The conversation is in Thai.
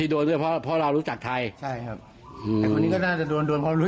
ที่โดนด้วยเพราะเรารู้จักไทยลูกหน้าครับ